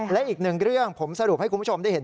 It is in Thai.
และอีกหนึ่งเรื่องผมสรุปให้คุณผู้ชมได้เห็น